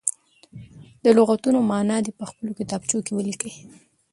د لغتونو معنا دې په خپلو کتابچو کې ولیکي.